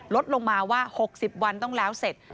ลดลงมาว่า๖๐วันต้องแล้วเสร็จ